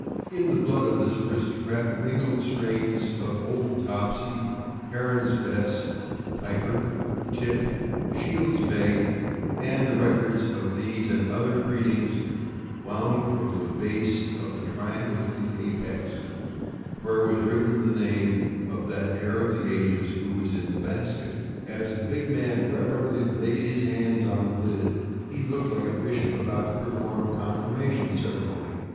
In the blood of this aristocrat mingled strains of Old Topsey, Heron's Bess, Piper, Tip, Shields' Meg, and the records of these and other breedings wound from the base of the triangle to the apex, where was written the name of that heir of the ages who was in the basket. As the big man reverently laid his hands on the lid, he looked like a bishop about to perform a confirmation ceremony.